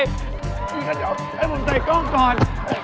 แล้วเดี๋ยวให้ผมใส่กล้องก่อน